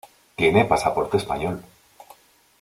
Tiene pasaporte español.